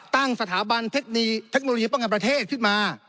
ตั้งสถาบันเทคโนโลยีป้องกันประเทศขึ้นมา